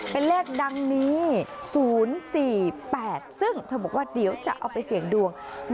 เป็นเลขดังนี้๐๔๘ซึ่งเธอบอกว่าเดี๋ยวจะเอาไปเสี่ยงดวง